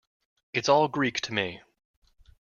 It's all Greek to me.